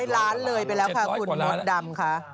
๗๐๐ล้านเลยไปแล้วค่ะคุณ๒๐๑๒ค่ะ